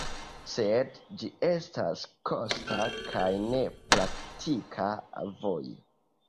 Sed ĝi estas kosta kaj ne praktika vojo.